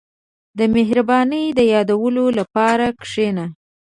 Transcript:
• د مهربانۍ د یادولو لپاره کښېنه.